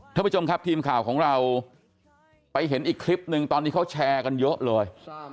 ท่านผู้ชมครับทีมข่าวของเราไปเห็นอีกคลิปนึงตอนนี้เขาแชร์กันเยอะเลย